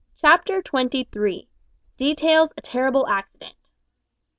CHAPTER TWENTY THREE. DETAILS A TERRIBLE ACCIDENT.